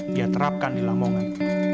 dia terapkan di lamongan